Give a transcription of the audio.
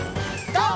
ＧＯ！